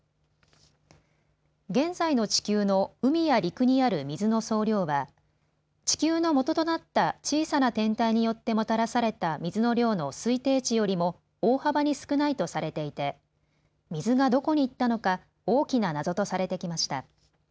現在の地球の海や陸にある水の総量は地球の元となった小さな天体によってもたらされた水の量の推定値よりも大幅に少ないとされていて水がどこにいったのか大きな謎とされてきました。